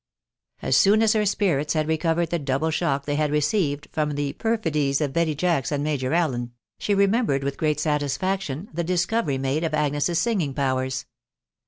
As soon as her spirits had recovered the double shock they had received from the perfidies of Betty Jacks and Major Allen, she remembered with great satisfaction the discovery made of Agnes's singing powers.